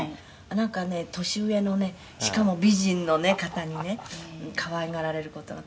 「なんかね年上のねしかも美人の方にね可愛がられる事がとても多くて」